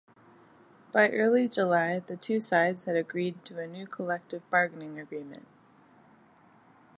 By early July, the two sides had agreed to a new collective bargaining agreement.